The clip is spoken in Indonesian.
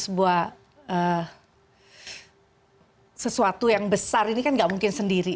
sebuah sesuatu yang besar ini kan gak mungkin sendiri